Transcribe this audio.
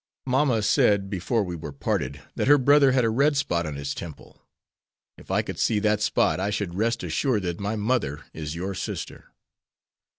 Mamma said, before we were parted, that her brother had a red spot on his temple. If I could see that spot I should rest assured that my mother is your sister."